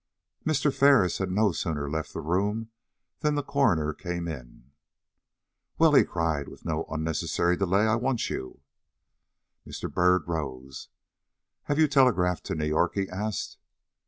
Mr. Ferris had no sooner left the room than the coroner came in. "Well," cried he, with no unnecessary delay, "I want you." Mr. Byrd rose. "Have you telegraphed to New York?" he asked.